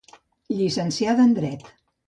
Llicenciada en Dret.